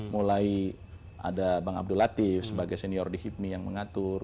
mulai ada bang abdul latif sebagai senior di hipmi yang mengatur